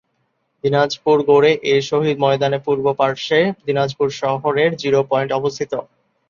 দিনাজপুর গোরে-এ-শহীদ ময়দানের পূর্ব পার্শ্বে দিনাজপুর শহরের "জিরো পয়েন্ট" অবস্থিত।